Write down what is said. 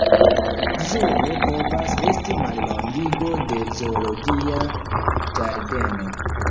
Zoo povas esti mallongigo de "zoologia ĝardeno".